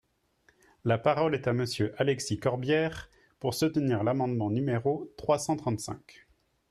La parole est à Monsieur Alexis Corbière, pour soutenir l’amendement numéro trois cent trente-cinq.